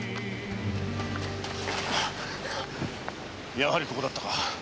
やはりここだったか。